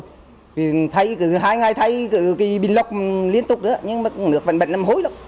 thì thay hai ngày thay cái bình lọc liên tục nữa nhưng mà cũng nước vẫn bệnh nằm hối lắm